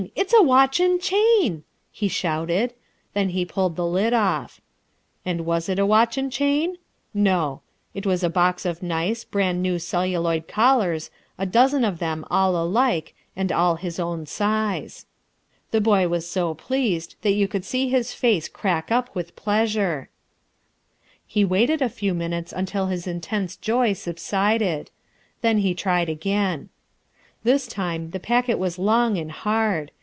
It's a watch and chain!" he shouted. Then he pulled the lid off. And was it a watch and chain? No. It was a box of nice, brand new celluloid collars, a dozen of them all alike and all his own size. The boy was so pleased that you could see his face crack up with pleasure. He waited a few minutes until his intense joy subsided. Then he tried again. This time the packet was long and hard.